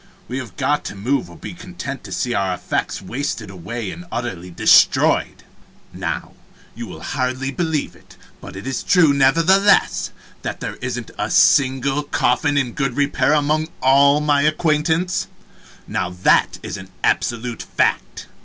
We have got to move or be content to see our effects wasted away and utterly destroyed. "Now, you will hardly believe it, but it is true, nevertheless, that there isn't a single coffin in good repair among all my acquaintance now that is an absolute fact.